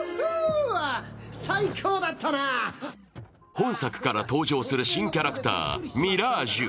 本作から登場する新キャラクター、ミラージュ。